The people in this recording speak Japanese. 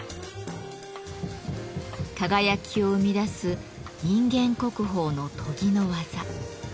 輝きを生み出す人間国宝の研ぎの技。